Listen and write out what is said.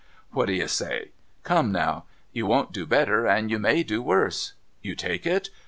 What do you say ? Come now ! You won't do better, and you may do worse. You take it